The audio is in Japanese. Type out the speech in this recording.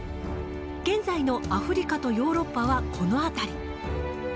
現在のアフリカとヨーロッパはこの辺り。